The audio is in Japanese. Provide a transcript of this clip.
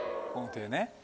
この手ね